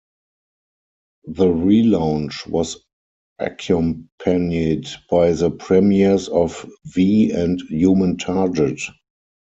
The relaunch was accompanied by the premieres of "V" and "Human Target".